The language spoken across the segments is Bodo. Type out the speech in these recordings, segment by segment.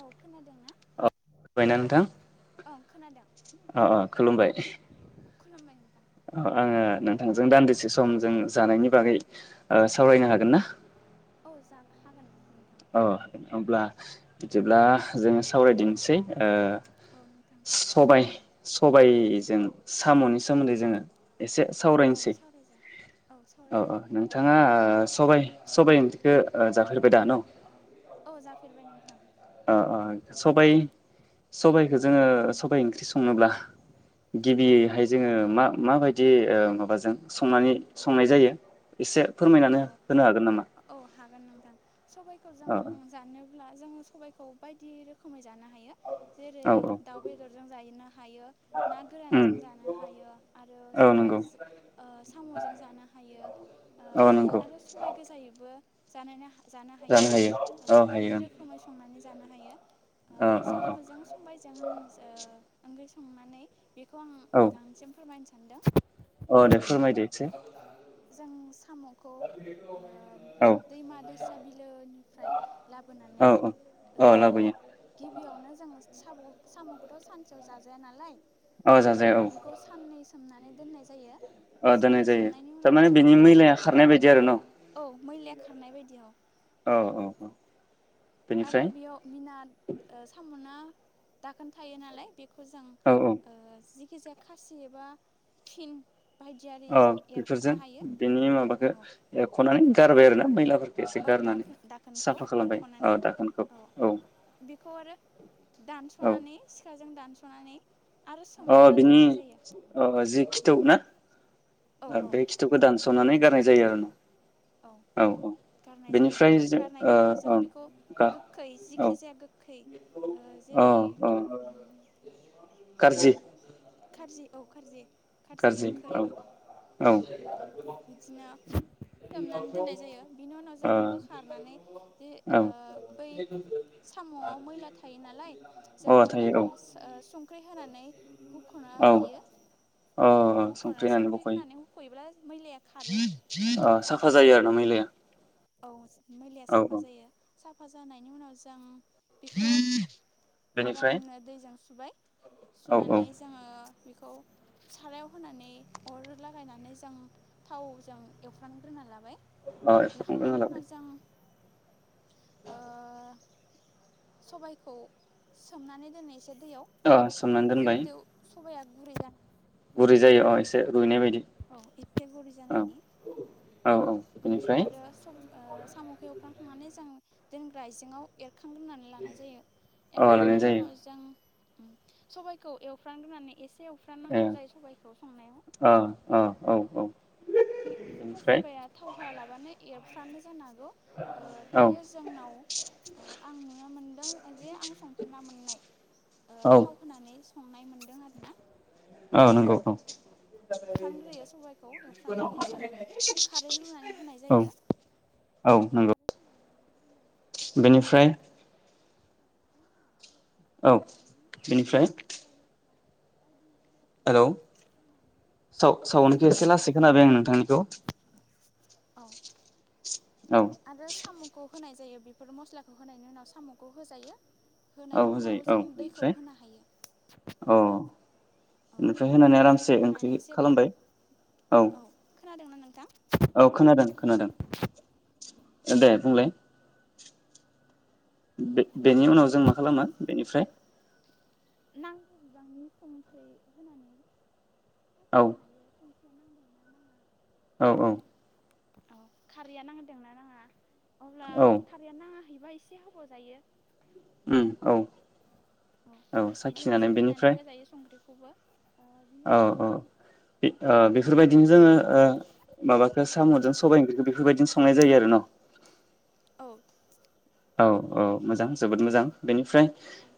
औ खोनादों ना [unintelligible] बायना नोंथां औ खोनादों अ अ खुलुमबाय। खुलुमबाय नोंथां ओ आङो नोंथांजों दान्दिसे सम जों जानायनि बागै ओ सावरायनो हागोन ना? औ जां हागोन। नोंथां औ अब्ला बिदिब्ला जोङो सावरायदिनिसै ओ औ नोंथां सबाइ सबाइ जों साम'नि सोमोन्दै जोङो एसे औ सावरायनोसै सावरायजा औ सावरायनो औ हायो नोंथां नोंथाङा ओ सबाइ सबाइ ओंख्रिखो ओ जाफेरबाय दा न'? अ जाफेरबाय नोंथां। ओ ओ सबाइ सबाइखो जोङो सबाइ ओंख्रि सं बुङोब्ला औ गिबियैहाय जोङो नोंथां मा मा बाय दि ओ माबाजों संनानै संनाय जायो एसे फोरमायनानो औ होनो हागोन नामा? औ [unintelligible] सबाइखौ जों औ जानो ब्ला जोङो सबाइखौ बायदि रोखोमै जानो हायो। जेरै औ औ दाउ बेदरजों जायोनो हायो ना उम गोरानजों जानो हायो आरो औ नंगौ सबाइजो ओ साम'जों जानो हायो ओ औ नंगौ आरो सबाइ गोजायैबो जानायनो हा जानो हायो ओ बायदि रोखोमै संनानै जानो हायो। ओ औ औ औ साम'जों सबाइजों होन जो [unintelligible] संनानै बेखौ आं औ नोंथांनिसिम फोरमायनो सानदों। औ दे फोरमायदो एदसे। जों सा साम'खौ ओ औ दैमा दैसा बिलोनिफ्राय औ लाबोनानै औ औ ओ लाबोयो गि बियावनो जों साब' साम'खौथ' सानसेयाव जाजाया नालाय। औ जाजायो ओ बेखौ साननै सो सोमनानै दोननाय जायो ओ दोननाय साननै जायो सोमनायनि उनाव सोमनानै जों बिनि बेखौ मैलाया खारनाय बायदि आरो न' औ मैलाया खारनाय बायदि औ औ औ औ आरो बेनिफ्राय बेयाव बिनाद साम'ना दाखोन थायो नालाय बे खो जों औ औ ओ जि खिजाया खासि एबा फिन औ बायदियारिजों बेफोरजों एरख'नो हायो बेनि माबखो औ एरखनाय गारबाय आरो ना मैलाफोर औ दाखो दाखोनखौ औ एरख'नानै दाखोनखौ औ बेखौ आरो औ दानस'नानै सिखाजों दानस' [unintelligible] अ बिनि अ जि खिथौ ना? औ औ बे खिथुखौ दानस'नानै गारनाय जा जायो आरो खिथा न औ गारनाय जायो जों ओ गारनायनि उनाव जोङो ओं बेखौ गा गोखै औ जिखि जाया गोखै ओ औ जेरै औ खारजि औ खारजि खारजि औ उम औ बिदिनो सोमनानै दोननाय जायो बिनि उनाव जों बोखारनानै जे ओ बै साम'आव मैला थायो नालाय जों औ अ थायो मैलाखौ औ संख्रि होनानै हुख'नो औ हायो अ हुख'ना संख्रि होनानै बोखयो हुख'योब्ला मैलाया खारो ओ सा फा जायो आरोना मैलाया? औ मैलाया औ साफा जायो साफा जानायनि उनाव जों बेखौ औ बेनिफ्राय आरामनो दैजों सु बाय औ औ सुनानै जोङो बेखौ सारायाव होनानै अर लागायनानै जों थावजों एवफ्रानग्रोना लाबाय ओ एवफ्रामगोरना लाखांनायनि लाबाय उनाव जों ओ [inaudible] सबायखौ सोमनानै दोनो ए से दैयाव अ सोमनानै दोनबाय जिहेथु सबाइया गुरै जानायनि। गुरै जायो अ एसे रुइनाय बायदि। औ [unintelligible] गुरै औ जानायनि औ आरो सब ओ साम'खो एवफ्रांखांनानै जों दोनग्रा आइजेङाव एर खांग्रोनानै लानाय जायो। अ लानाय एरखांनायनि जायो उनाव जों सबायाइखौ एवफ्रांग्रोनानै एसे एवफ्रान ए नांगौ जायो सबायखौ संनायाव अ अ औ औ बे सोरबा बेनिफ्राय सोरबाया थाव होआ लाबानो एरफ्रानो जानो हागो गौ ओ औ दायो जोंनाव ओ आं नुनो मोन्दों जे आं संफेरना मोन्नाय ओ औ थाव होनानै स संनाय मोन्दों आरोना। औ नंगौ औ एवफ्रानग्रोयो सबायखौ एवफ्राननानै जों खारै लुनानै होनाय जायो [unintelligible] औ औ नंगौ। खारै होनानै रुनाय जायो बेनिफ्राय आरो जायखिजाया मस्ला औ बानलु बेनिफ्राय? जिरा मस्ला बायदि जिरा हेलौ सानायखौ होनानै होजायो साव-सावनखौ एसे लासै खोनादों नोंथांनिखौ। औ औ आरो साम'खौ होनाय जायो बेफोर मस्लाखौ होनायनि उनाव साम'खौ होजायो। औ होनायनि होजायो उनाव औ जों दैखौ बेनिफ्राय होनो हायो। अ औ बेनिफ्राय होनानै दैखौ आरामसे होनानै ओंख्रि खालामबाय औ। खोनादों ना नोंथां? औ खोनादों खोनादों दे बुंलाय। बे-बेनि उनाव जों मा खालामो बेनिफ्राय? नांगौ बिबांनि संख्रै होनानै औ साखिनो हायो सं औ औ। औ खारैया नांदोंना नाङा अब्ला औ थारियानो नाङा एबा एसे होबाव जायो। उम औ औ सा बिदिनो साखिनानै होजायो सं देफबो औ औ ओ ओंख्रि बेफोरबायदिनो जोङो ओ माबाखौ साम'जों सबाय ओंख्रिखौ बेफोरबायदिनो संनाय जायो आरो न औ औ औ मोजां जोबोद मोजां बेनिफ्राय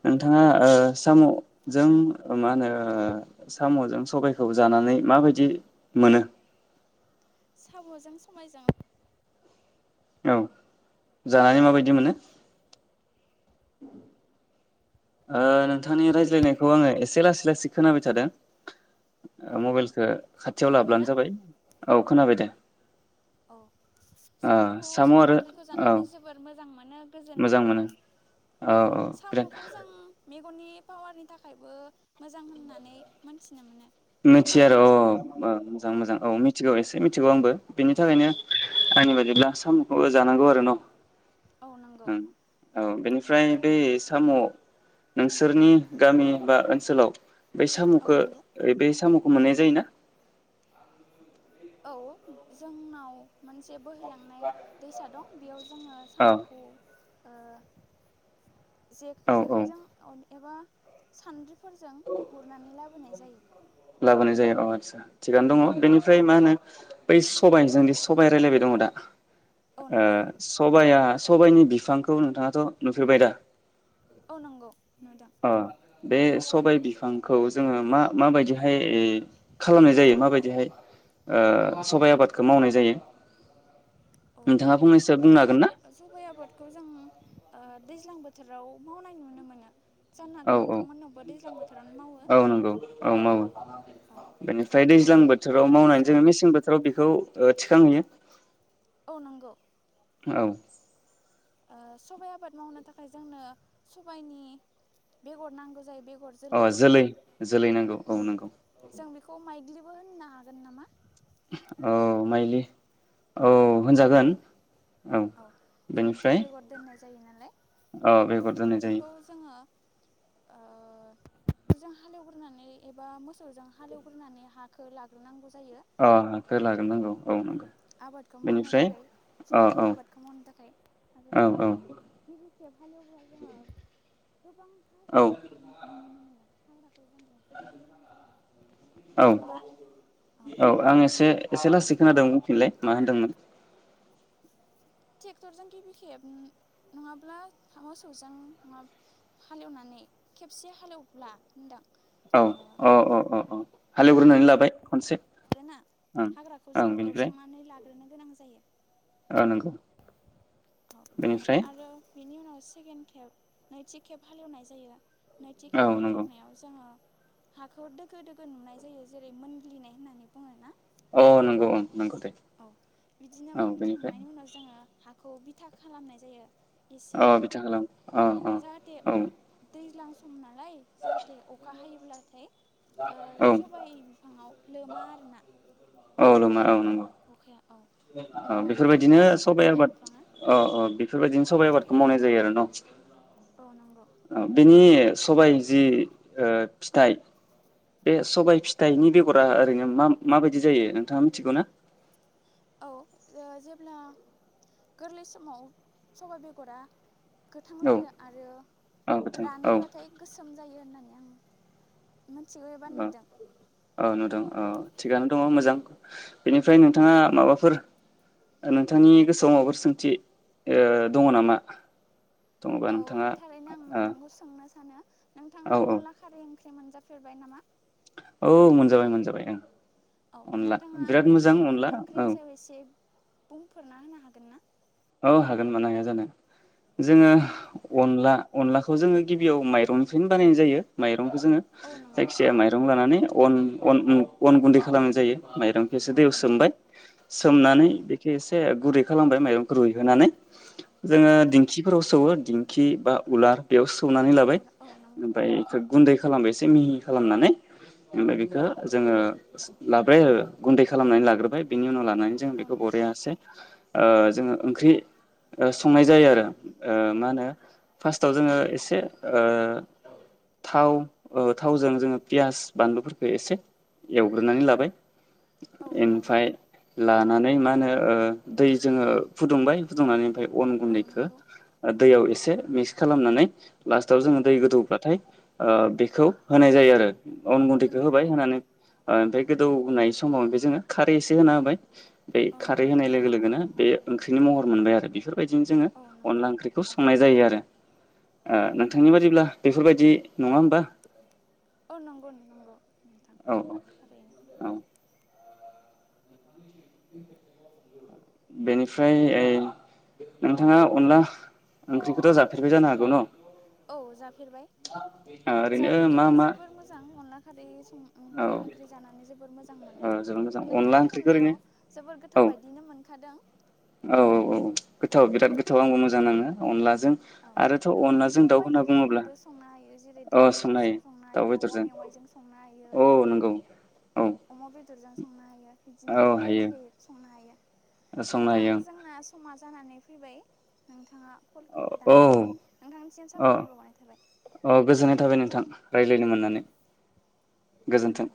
नोंथाङा ओ साम'जों ओ मा होनो साम'जों सबायखौ जानानै माबायदि मोनो? साम'जों सबायजों औ जानानै माबायदि मोनो? ओ नोंथांनि रायज्लायनायखौ आङो एसे लासै लासै खोनाबाय थादों। अ मबाइलखो खाथियाव खोनाबायना लाब्लानो जाबाय। औ खोनाबाय दे। औ ओ साम'खौ साम' आरो ओंख्रिखौ औ जानानै जोबोर मोजां [unintelligible] मोनो गोजोन मोनो औ औ बिराद साम'खौ जों मेगननि पावारनि थाखायबो मोजां होननानै मोनथिनो मोनो। मिथियो नोंथाङा आरो मिथिगौ ना अ औ मोजां मोजां औ मिथिगौ एसे मिथिगौ आंबो बेनि औ थाखायनो आंनि बादिब्ला सामखौबो जानांगौ आरो न'। औ नंगौ हम औ बेनिफ्राय बेै साम' नोंसोरनि गामि बा ओनसोलाव बै औ सामुखौ नंगौ बे बे साम'खौ मोननाय जायोना? औ जोंनाव मोनसे बोहैलांनाय दैसा दं। बेयाव जोङो औ साम'खौ औ औ जे-जेखायजों अन एबा सान्द्रिफोरजों गुरनानै लाबोनाय जायो। लाबोनाय जायो अ आतसा। थिगानो दङ औ नंगौ बेनिफ्राय मा होनो बै सबायाइजों बे सबाइ रायजलायबाय दङ दा औ ओ नंगौ सबाया सबाइनि बिफांखौ नोंथाङाथ' नुफेरबाय दा? औ नंगौ नुदों अ बे सबाय बिफांखौ जोङो मा माबायदिहाय खालामनाय जायो माबायदिहाय ओ सबाइ आबादखौ मावनाय जायो? औ नोंथाङा फंनैसो सबाइ बुंनो हागोन ना आबादखौ सबाइ आबादखौ जों ओ दैज्लां बोथोराव मावनाय नुनो मोनो। जानो हागौ औ नोंथांमोननावबो दैज्लां बोथोरावनो मावो औ औ नंगौ औ मावो औ औ बेनिफ्राय ओ दैज्लां बोथोराव स मावनानै जोङो मेसें बोथोराव बेखौ ओ थिखांहैयो औ नंगौ औ ओ सबाइ आबाद मावनो थाखाय जोंनो सबाइनि बेगर नांगौ जायो बे अ जोलै जोलै नांगौ औ नंगौ। बो होननो हागोन नामा? औ माइलि औ होनजागोन औ जिहेथु बेनिफ्राय बेगर दोननाय जायो नालाय औ ओ बेगर दोननाय जायो। बेखौ जोङो ओ जों हालेवगोरनानै एबा मोसौजों हालेवगोरनानै हाखौ लागोरनांगौ जा ओ हाखौ लागोरनांगौ। औ नंगौ आबादखौ मावनो बेनिफ्राय थाखाय औ सबायनि आबादखौ मावनो थाखाय आरो औ गिबि खेब हालेवब्ला जोङो [inaudible] गोबां औ हाग्रा नु नुनो मोनो। हाग्राखौ जों एवस्रांनो गोनां जायो नङा औ होमबा औ आं एसे एसे लासै खोनादों बुंफिनलाय मा होनदोंमोन? टेक्टरजों गिबि खेब नङाब्ला मोसौजों नङा हालेवनानै खेबसे हालेवब्ला होनदां। औ ओ औ औ औ औ हालेवग्रोनानै हाग्रा लाबाय खनसे लाग्रोना ओं हाग्राखौ ओं जों बेनिफ्राय एवस्रांनानै लाग्रोनो गोनां जायो औ नंगौ। बेनिफ्राय बिनि उनाव सेकेन्ड केब नैथि खेब हालेवनाय जायो। नैथि औ खेब नंगौ हालेवनायाव जोङो हाखौ दोखो दोखो नुनाय जायो जेरै मोनग्लिनाय होननानै बुङो ना। औ नंगौ ओं नंगौ दे औ बिदिनो औ बेनिफ्राय मोनखांनायनि उनाव जोङो हा खौ बिथा खालामनाय जायो एसे औ बिथा खालामो अ अ औ लाय जाहाथे अखा हायो अब्लाथाय ओ औ सबाय बिफाङाव लोमा आरोना औ लोमा औ नंगौ अखाया औ नङाबाथाय बेफोरबायदिनो गाज्रि सबाइ जागोन ना आबाद बिफाङा औ औ बेफोरबायदिनो सबाइ औ आबादखौ मावनाय जायो आरो न' औ नंगौ औ बेनि सबाय जि ओ फिथाइ बे सबाय फिथाइनि बेगरा ओरैनो मा माबायदि जायो नोंथाङा मिथिगौ ना औ ओ जेब्ला गोरलै समाव सबाइ बेगरा गोथां औ जायो आरो औ नोंथां औ रानोब्लाथाय गोसोम जायो होननानै मिथिबायबा औ नुदों औ नुदों औ थिगानो दङ मोजां बेनिफ्राय नोंथाङा माबाफोर नोंथांनि गोसोआव माबाफोर सोंथि ओ दङ नामा दङबा औ नोंथाङा थारैनो आं ओ नोंथांखौ सोंनो सानो औ नोंथाङा अनला खारै ओंख्रि मोनजाफेरबाय नामा? औ मोनजाबाय मोनजाबाय आं औ नोंथाङा बे औ ओंख्रिनि सायाव एसे बुंफोरना होनो हागोन ना औ हागोन मा हाया जानो जोङो अनला अनलाखौ जोङो गिबियाव माइरंनिफ्रायनो बानायनाय जायो माइरं माइरंखौ जोङो औ नंगौ जायखिजाया औ माइरं लानानै अन अन अन गुन्दै खालामनाय जायो माइरंखौ एसे औ दैयाव नंगौ सोमबाय औ सोमनानै बेखौ एसे एसे गुरै खालामबाय माइरं रुइहोनानै औ जोङो दिंखिफोराव सोवो दिंखि बा उलार बेयाव सौनानै औ लाबाय औ नंगौ ओमफ्राय औ गुन्दै खालामबायस एसे मिहि खालामनानै ओमफ्राय औ बेखौ जोङो लाबाय गुन्दै खालामनानै लाग्रोबाय बिनि उनाव ला नानै जों औ बेखौ नंगौ बरियासै ओ जोङो ओंख्रि संनाय जायो आरो ओ मा होनो फार्स्टाव जोङो ओ एसे थाव थावजों जोङो पियास बानलुफोरखौ एसे एवग्रोनानै लाबाय औ लायो ओमफ्राय आं लानानै मा नो ओ दै जोङो फुदुंबाय फुदुंनानै ओमफाय अन औ गुन्दैखौ नंगौ ओ दै एसे एसे मिक्स खालामनानै। लास्टाव जोङो दै औ गोदौब्लाथाय ओ औ बेखौ होनाय जायो आरो अन गुन्दैखौ होबाय होनानै ओ ओमफ्राय औ गोदौनाय सम समाव बे जोङो खारै एसे होना होबाय। बै औ खारै नंगौ होनाय लोगो लोगोनो बे ओंख्रिनि महर मोनबाय आरो बेफोर बेबायदिनो जोङो औ नंगौ अनला ओंख्रिखौ औ संनाय जायो आरो ओ औ नोंथांनि बादिब्ला बेफोरबायदि नङा होमबा? औ नंगौ नंगौ नोंथां औ थारैनो औ औ। बेनिफ्राय ओइ नोंथाङा अनला ओंख्रिखौथ' जाफेरबाय जानो हागौ न'? औ जा फेरबाय जा ओरैनो ओ मा मा जोबोर मोजां अनला [unintelligible] ओं ओंख औ ओंख्रि जानानै जोबोर मोजां औ मोनो जोबोद मोजां अनला नोंथाङा ओंख्रिखौ ओरैनो बुंनायाव जोबोर औ गोथाव बायदिनो मोनखादों। औ औ औ गोथाव औ बिराद गोथाव आंबो मोजां नाङो अनला औ बेखौ बायदि बुङोब्ला रोखोमैबो संनो हायो जेरै अ दाउ हायो बेदरजों संनो दाउ हायो औवा बेदरजों मेवाइजों संनो हायो औ नंगौ औ अमा बेदरजों संनो हायो बिदिनो औ हायो बायदियै संनो हायो संनो नोंथां हायो जोंना समाज जानानै फैबाय नोंथाङा खौ औ दानजायो नोंथांनिसिम अ साबायखर बावनाय थाबाय। गोलायनो मोननानै गोजोन्थों।